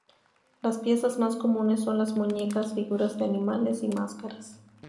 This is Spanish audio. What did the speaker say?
Las piezas más comunes son las muñecas, figuras de animales y máscaras.